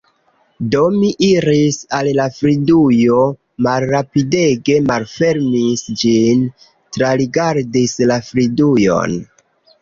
Do mi iris al la fridujo, malrapidege malfermis ĝin, trarigardis la fridujon...